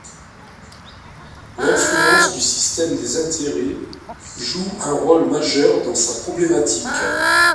L’influence du système des intérêts joue un rôle majeur dans sa problématique.